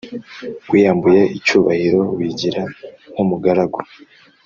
wiyambuyeicyubahiro, wigira nk'umugaragu